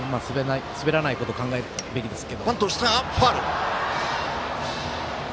滑らないことを考えるべきですが。